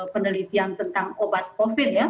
penelitian tentang obat covid ya